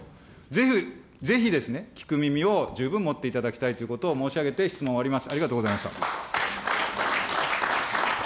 ぜひ、ぜひですね、聞き耳を十分持っていただきたいということを申し上げて、質問を終わります。